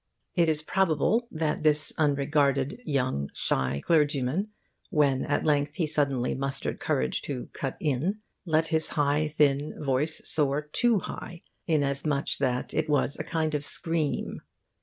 It is probable that this unregarded, young, shy clergyman, when at length he suddenly mustered courage to 'cut in,' let his high, thin voice soar too high, insomuch that it was a kind of scream.